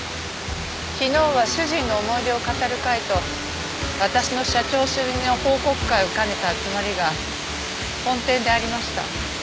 昨日は主人の思い出を語る会と私の社長就任の報告会を兼ねた集まりが本店でありました。